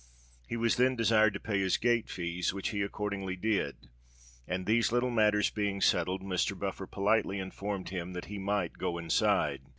He was then desired to pay his gate fees, which he accordingly did; and, these little matters being settled, Mr. Buffer politely informed him that he might "go inside."